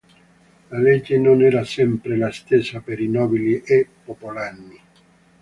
La legge non era sempre la stessa per i nobili e popolani.